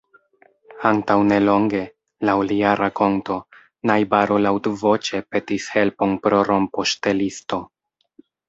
Antaŭ nelonge, laŭ lia rakonto, najbaro laŭtvoĉe petis helpon pro rompoŝtelisto.